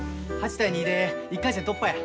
８対２で１回戦突破や。